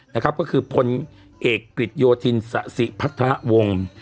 นะครับก็คือพลเอกกฤษโยธินสะสิพัฒนาวงศ์